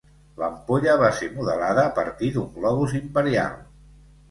L'ampolla va ser modelada a partir d'un globus imperial.